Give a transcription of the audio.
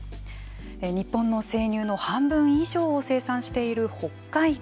日本の生乳の半分以上を生産している北海道。